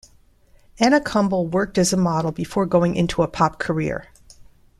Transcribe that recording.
Anna Kumble worked as a model before going into a pop career.